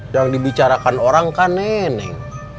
yang dibicarakan orang kan nenek